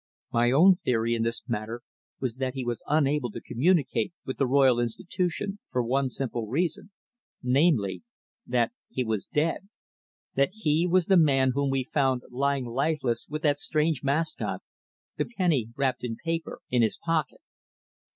My own theory in this matter was that he was unable to communicate with the Royal Institution for one simple reason, namely, that he was dead that he was the man whom we found lying lifeless with that strange mascot, the penny wrapped in paper, in his pocket.